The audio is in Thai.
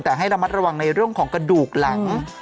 แต่ให้ระมัดระวังในเรื่องของกระดูกหลัง